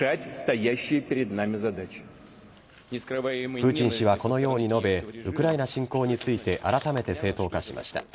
プーチン氏は、このように述べウクライナ侵攻についてあらためて正当化しました。